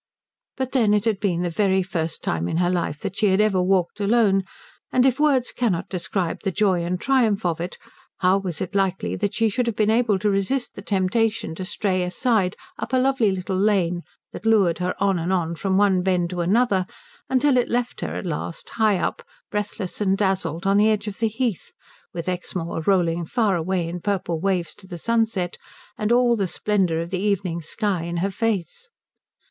But then it had been the very first time in her life that she had ever walked alone, and if words cannot describe the joy and triumph of it how was it likely that she should have been able to resist the temptation to stray aside up a lovely little lane that lured her on and on from one bend to another till it left her at last high up, breathless and dazzled, on the edge of the heath, with Exmoor rolling far away in purple waves to the sunset and all the splendour of the evening sky in her face?